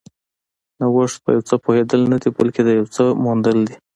نوښت په یو څه پوهېدل نه دي، بلکې د یو څه موندل دي.